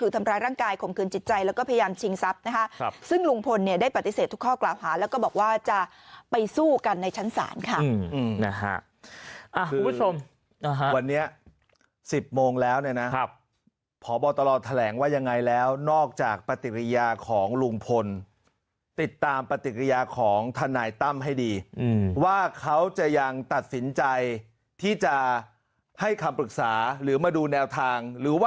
ทำร้ายร่างกายข่มขืนจิตใจแล้วก็พยายามชิงทรัพย์นะคะซึ่งลุงพลเนี่ยได้ปฏิเสธทุกข้อกล่าวหาแล้วก็บอกว่าจะไปสู้กันในชั้นศาลค่ะนะฮะคุณผู้ชมนะฮะวันนี้๑๐โมงแล้วเนี่ยนะครับพบตรแถลงว่ายังไงแล้วนอกจากปฏิกิริยาของลุงพลติดตามปฏิกิริยาของทนายตั้มให้ดีว่าเขาจะยังตัดสินใจที่จะให้คำปรึกษาหรือมาดูแนวทางหรือว่า